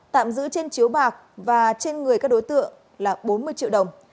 tạm giữ trên chiếu bạc và trên người các đối tượng là bốn mươi triệu đồng